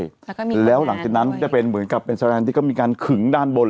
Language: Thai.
แล้วก็มีขนาดด้วยแล้วหลังจากนั้นจะเป็นเหมือนกับเป็นที่ก็มีการขึงด้านบน